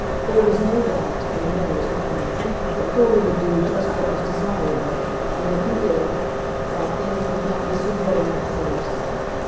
There was no doubt (in the miller's mind) that Furley would do just what was desirable; and if he did—why, things would not be so very much worse.